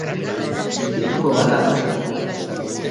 Geldituko gara?